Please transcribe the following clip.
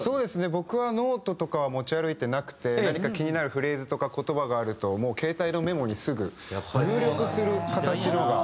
僕はノートとかは持ち歩いてなくて何か気になるフレーズとか言葉があるともう携帯のメモにすぐ入力する形の方が多いですね。